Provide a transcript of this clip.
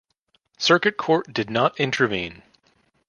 Circuit Court did not intervene.